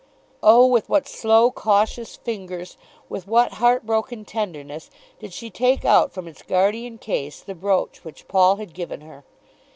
Oh, with what slow, cautious fingers, with what heartbroken tenderness did she take out from its guardian case the brooch which Paul had given her!